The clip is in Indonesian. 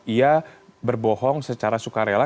ia berbohong secara sukarela